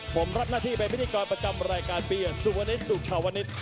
ผมรับหน้าที่เป็นพิธีกรประจำรายการปีสุฟาณิชย์สุขธวรรณิต